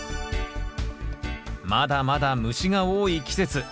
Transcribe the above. まだまだ虫が多い季節。